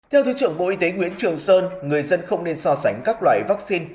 theo thứ trưởng bộ y tế nguyễn trường sơn người dân không nên so sánh các loại vaccine